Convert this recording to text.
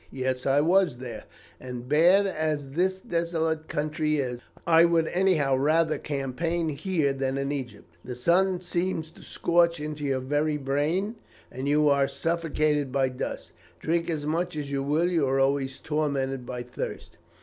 "Yes, I was there; and, bad as this desolate country is, I would anyhow rather campaign here than in Egypt. The sun seems to scorch into your very brain, and you are suffocated by dust. Drink as much as you will, you are always tormented by thirst.